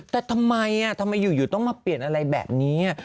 แต่ทำไมต้องมาเปลี่ยนอะไรแบบนี้